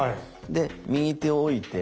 で右手を置いて。